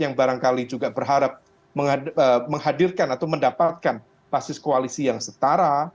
yang barangkali juga berharap menghadirkan atau mendapatkan basis koalisi yang setara